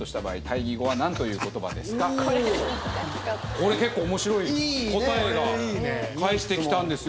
これ結構面白い答えが返ってきたんですよ。